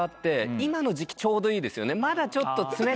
今の時期ちょうどいいですよね。